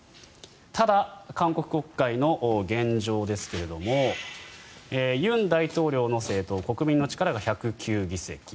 ただ、韓国国会の現状ですが尹大統領の政党、国民の力が１０９議席。